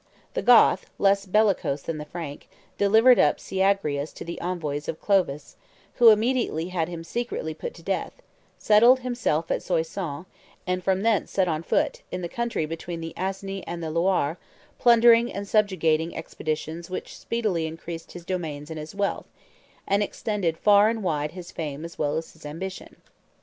The Goth, less bellicose than the Frank, delivered up Syagrius to the envoys of Clovis, who immediately had him secretly put to death, settled himself at Soissons, and from thence set on foot, in the country between the Aisne and the Loire, plundering and subjugating expeditions which speedily increased his domains and his wealth, and extended far and wide his fame as well as his ambition.